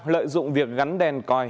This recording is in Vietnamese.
lợi dụng việc gắn đèn còi